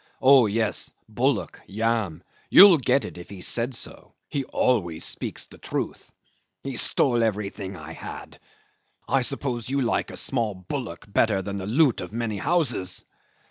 "Oh yes. Bullock. Yam. You'll get it if he said so. He always speaks the truth. He stole everything I had. I suppose you like a small bullock better than the loot of many houses."